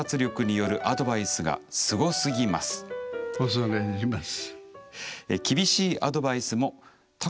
恐れ入ります。